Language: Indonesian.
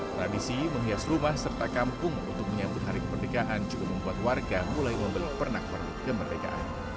tradisi menghias rumah serta kampung untuk menyambut hari kemerdekaan juga membuat warga mulai membeli pernak pernik kemerdekaan